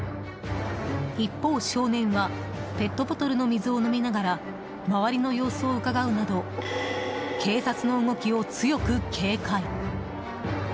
一方、少年はペットボトルの水を飲みながら周りの様子をうかがうなど警察の動きを強く警戒。